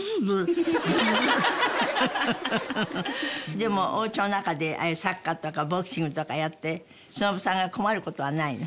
でもおうちの中でああいうサッカーとかボクシングとかやってしのぶさんが困る事はないの？